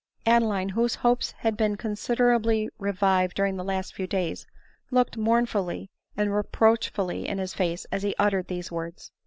Adeline, whose hopes had been considerably revived during the last few days, looked mournfully and re proachfully in his face as he uttered these words.